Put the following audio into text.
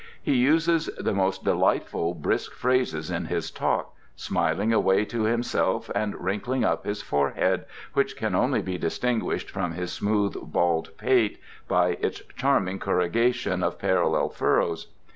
He uses the most delightful brisk phrases in his talk, smiling away to himself and wrinkling up his forehead, which can only be distinguished from his smooth bald pate by its charming corrugation of parallel furrows.